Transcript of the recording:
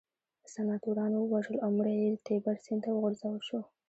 سناتورانو ووژل او مړی یې تیبر سیند ته وغورځول شو